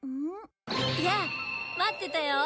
やあ待ってたよ。